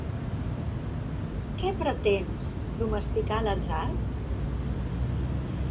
Què pretens, domesticar l'atzar?